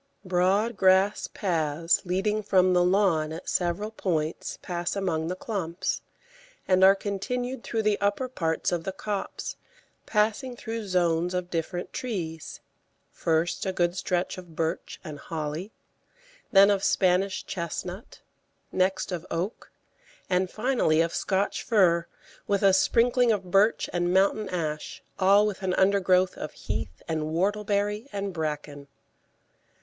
Broad grass paths leading from the lawn at several points pass among the clumps, and are continued through the upper parts of the copse, passing through zones of different trees; first a good stretch of birch and holly, then of Spanish chestnut, next of oak, and finally of Scotch fir, with a sprinkling of birch and mountain ash, all with an undergrowth of heath and whortleberry and bracken.